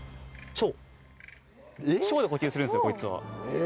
腸で呼吸するんですよこいつは。え！